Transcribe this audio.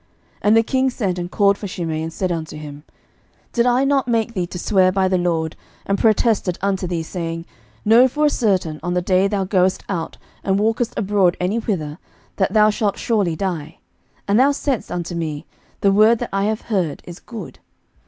11:002:042 And the king sent and called for Shimei, and said unto him, Did I not make thee to swear by the LORD, and protested unto thee, saying, Know for a certain, on the day thou goest out, and walkest abroad any whither, that thou shalt surely die? and thou saidst unto me, The word that I have heard is good.